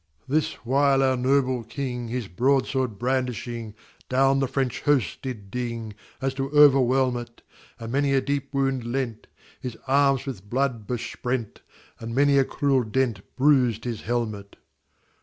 This while our noble King, His broad sword brandishing, Down the French host did ding, As to o'erwhelm it; And many a deep wound lent, His arms with blood besprent, And many a cruel dent Bruised his helmet.